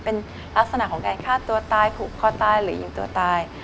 เป็นลักษณะของการฆ่าตัวตายผูกคอตายหรือยิงตัวตาย